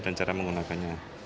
dan cara menggunakannya